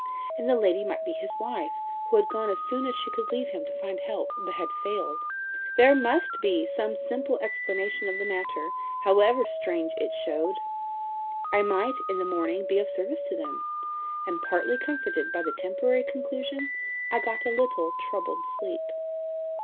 And the lady might be his wife, who had gone as soon as she could leave him to find help, but had failed. There MUST be some simple explanation of the matter, however strange it showed! I might, in the morning, be of service to them. And partly comforted by the temporary conclusion, I got a little troubled sleep.